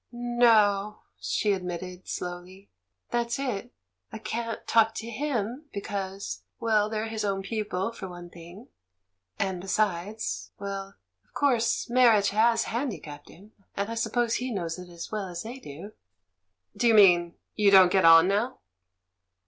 "No," she admitted, slowly, "that's it. I can't talk to him because — well, they're his own peo ple, for one thing; and, besides — well, of course marriage has handicapped him, and I suppose he knows it as well as they do." "Do you mean —?... You don't get on now?"